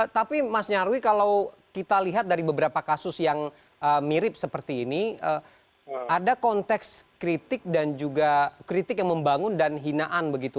tapi mas nyarwi kalau kita lihat dari beberapa kasus yang mirip seperti ini ada konteks kritik dan juga kritik yang membangun dan hinaan begitu